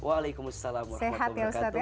waalaikumsalam warahmatullahi wabarakatuh